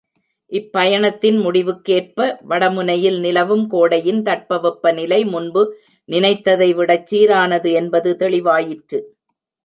இப் பயணத்தின் முடிவுக்கேற்ப, வடமுனையில் நிலவும் கோடையின் தட்ப வெப்ப நிலை முன்பு நினைத்ததைவிடச் சீரானது என்பது தெளிவாயிற்று.